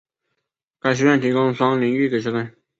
该学院提供双领域给学生。